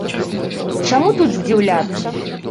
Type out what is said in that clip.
І чаму тут здзіўляцца?